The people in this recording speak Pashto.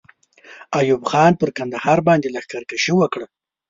ایوب خان پر کندهار باندې لښکر کشي وکړه.